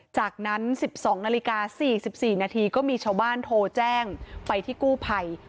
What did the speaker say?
จากนั้น๑๒นาฬิกา๔๔นาทีก็มีชาวบ้านโทรแจ้งไปที่กู้ภัย